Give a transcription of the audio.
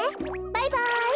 バイバイ！